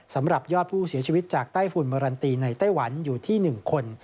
สำหรับยอดผู้เสียชีวิตจากไต้ฝุ่นเมอรันตีในไต้หวันอยู่ที่๑คน